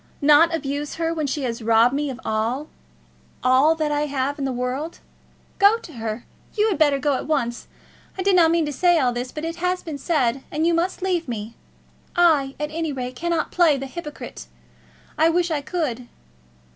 Not abuse her when she has robbed me of all all all that I have in the world! Go to her. You had better go at once. I did not mean to say all this, but it has been said, and you must leave me. I, at any rate, cannot play the hypocrite; I wish I could."